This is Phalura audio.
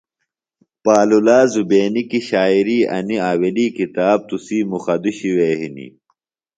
پالولا زُبینی کیۡ شاعری انیۡ آویلی کتاب تُسی مُخدوشیۡ وے ہِنیۡ۔